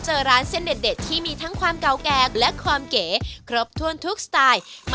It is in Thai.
โอเควันนี้ต้องขอบคุณมากทุกคนครับ